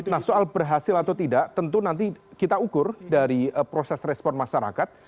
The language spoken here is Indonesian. nah soal berhasil atau tidak tentu nanti kita ukur dari proses respon masyarakat